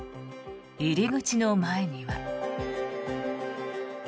入り口の前には。